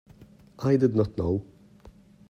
I did not know.